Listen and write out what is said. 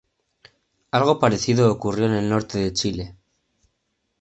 Algo parecido ocurrió en el norte de Chile.